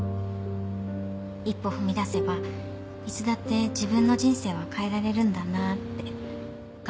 一歩踏み出せばいつだって自分の人生は変えられるんだなって。